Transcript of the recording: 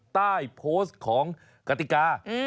ใต้โพสต์ของกติกา